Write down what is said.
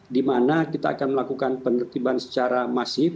dimana kita akan melakukan penertiban secara masif